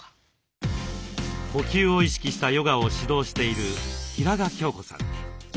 呼吸を意識したヨガを指導している平賀きょう子さん。